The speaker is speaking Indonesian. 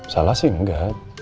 salah sih engga